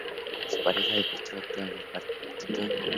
Su pareja deportiva actual es Paquito Navarro.